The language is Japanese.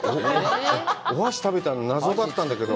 お箸食べたの、なぞだったんだけど。